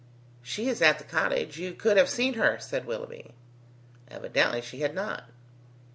"She is at the cottage. You could have seen her," said Willoughby. Evidently she had not.